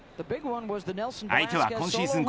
相手は、今シーズン